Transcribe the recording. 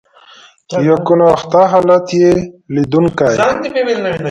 یکنواخته حالت یې لیدونکي.